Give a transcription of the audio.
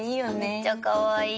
めっちゃかわいい。